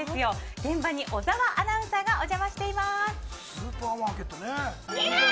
現場に小澤アナウンサーがお邪魔しています。